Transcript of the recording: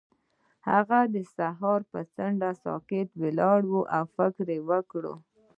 هغه د سهار پر څنډه ساکت ولاړ او فکر وکړ.